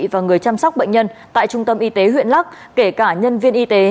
và người chăm sóc bệnh nhân tại trung tâm y tế huyện lắc kể cả nhân viên y tế